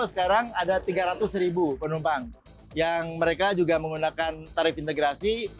sekarang ada tiga ratus ribu penumpang yang mereka juga menggunakan tarif integrasi